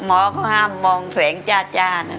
หมอก็ห้ามมองแสงจ้านะ